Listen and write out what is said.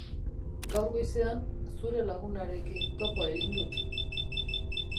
Gaur goizean, zure lagunarekin topo egin dut.